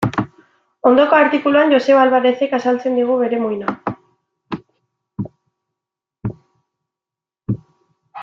Ondoko artikuluan Joseba Alvarerezek azaltzen digu bere muina.